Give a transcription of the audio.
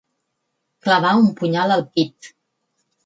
Clavar un punyal al pit.